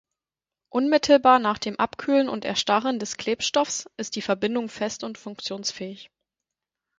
Unmittelbar nach dem Abkühlen und Erstarren des Klebstoffs ist die Verbindung fest und funktionsfähig.